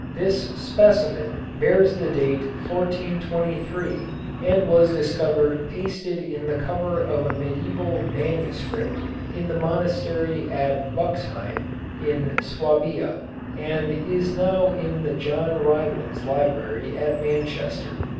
This specimen bears the date 1423, and was discovered pasted in the cover of a mediæval manuscript in the monastery at Buxheim, in Swabia, and is now in the John Rylands Library at Manchester.